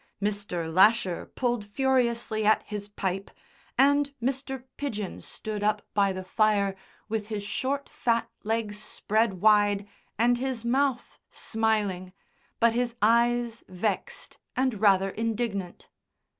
Mr. Lasher pulled furiously at his pipe and Mr. Pidgen stood up by the fire with his short fat legs spread wide and his mouth smiling, but his eyes vexed and rather indignant.